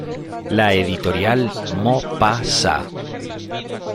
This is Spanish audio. La Editorial Mo.Pa.Sa.